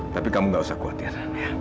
tapi kamu gak usah khawatir